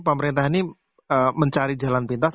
pemerintah ini mencari jalan pintas